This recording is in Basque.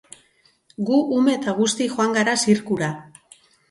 Gu ume eta guzti joan gara zirkura.